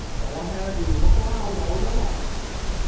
"Go ahead an' look around all you like."